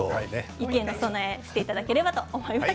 雪への備えをしていただければと思います。